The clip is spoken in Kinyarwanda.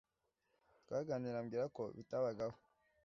twaganiriye, ambwira ko bitabagaho